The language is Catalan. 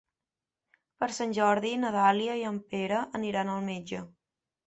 Per Sant Jordi na Dàlia i en Pere aniran al metge.